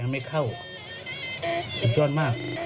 มืม